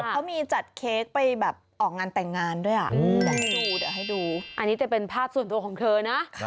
เขามีจัดเค้กไปแบบออกงานแต่งงานด้วย